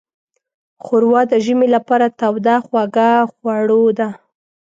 ښوروا د ژمي لپاره توده خوږه خوړو ده.